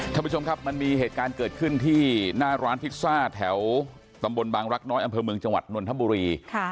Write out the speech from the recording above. ท่านผู้ชมครับมันมีเหตุการณ์เกิดขึ้นที่หน้าร้านพิซซ่าแถวตำบลบางรักน้อยอำเภอเมืองจังหวัดนนทบุรี